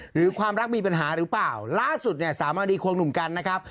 หรือความรักมีปัญหาหรือเปล่าล่าสุดเนี่ยสามารถดีควงหนุ่มกันนะครับ